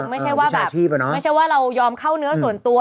ไม่ใช่ว่าแบบไม่ใช่ว่าเรายอมเข้าเนื้อส่วนตัว